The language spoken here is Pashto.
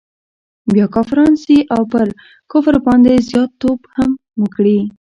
بیا کافران سي او پر کفر باندي زیات توب هم وکړي.